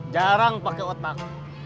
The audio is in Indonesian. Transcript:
jarang pakai otak